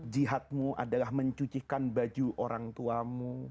jihadmu adalah mencucikan baju orang tuamu